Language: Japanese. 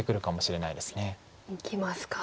いきますか。